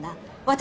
私